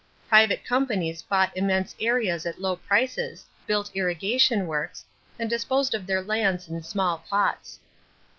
Private companies bought immense areas at low prices, built irrigation works, and disposed of their lands in small plots.